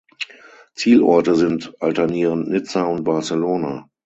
Zielorte sind alternierend Nizza und Barcelona.